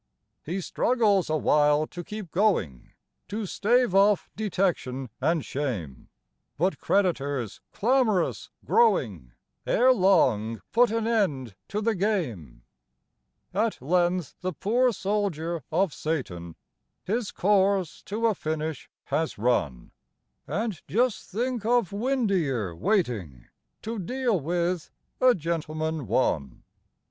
He struggles awhile to keep going, To stave off detection and shame; But creditors, clamorous growing, Ere long put an end to the game. At length the poor soldier of Satan His course to a finish has run And just think of Windeyer waiting To deal with "A Gentleman, One"!